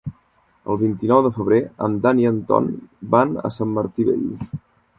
El vint-i-nou de febrer en Dan i en Ton van a Sant Martí Vell.